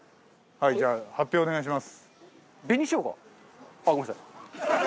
はいじゃあ発表をお願いします。